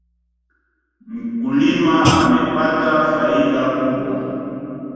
Mkulima amepata faida kubwa